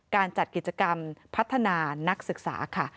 การจัดกิจกรรมพัฒนานักศึกษาค่ะ